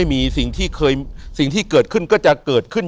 อยู่ที่แม่ศรีวิรัยิลครับ